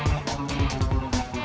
gak ada apa apa